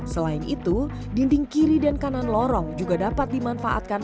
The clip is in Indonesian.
selain itu dinding kiri dan kanan lorong juga dapat dimanfaatkan